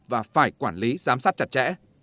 và phải quản lý giám sát chặt chẽ